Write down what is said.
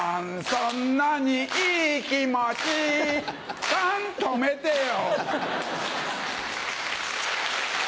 そんなにいい気持ちタン止めてよ。